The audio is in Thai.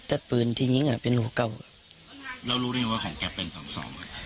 แต่ปืนที่ยิงอ่ะเป็นหัวเก่าแล้วรู้ได้ยังไงว่าของแกเป็นสองสองอ่ะ